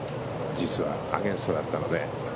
アゲンストだったので。